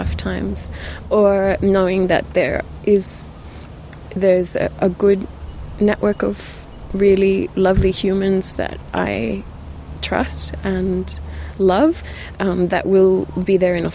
jika ada apa apa yang saya butuhkan dan sebagainya